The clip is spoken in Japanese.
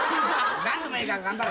何でもいいから頑張れ。